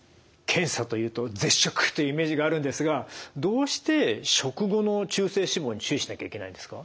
検査というと絶食というイメージがあるんですがどうして食後の中性脂肪に注意しなきゃいけないんですか？